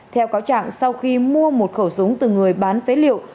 theo cáo trạng sau khi mua một khẩu súng từ người bán phế liệu